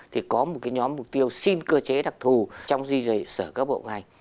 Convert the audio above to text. thì có một cái nhóm mục tiêu xin cơ chế đặc thù trong duy trì sở các bộ ngành